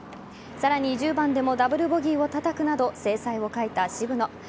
さらに１０番でもダブルボギーをたたくなど精彩を欠いた渋野。